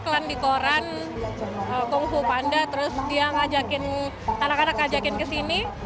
iklan di koran kung fu panda terus dia ngajakin anak anak ngajakin kesini